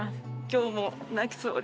今日もう。